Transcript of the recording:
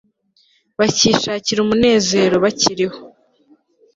bakishakira umunezero bakiriho